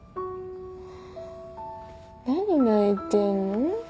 何泣いてんの？